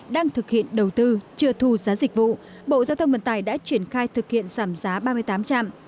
đang thực hiện đầu tư chưa thu giá dịch vụ bộ giao thông vận tải đã triển khai thực hiện giảm giá ba mươi tám trạm